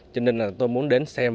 cho nên là tôi muốn đến xem